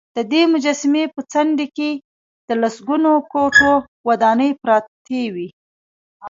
ددې مجسمې په څنډې کې د لسګونو کوټو ودانې پراته وې.